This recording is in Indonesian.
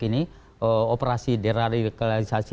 ini operasi deradikalisasi